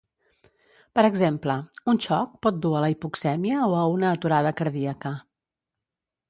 Per exemple, un xoc pot dur a la hipoxèmia o a una aturada cardíaca.